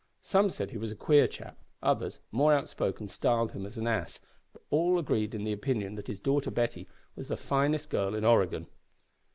Some said he was a queer chap; others, more outspoken, styled him an ass, but all agreed in the opinion that his daughter Betty was the finest girl in Oregon.